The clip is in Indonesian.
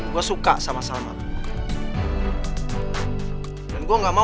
gue suka sama sama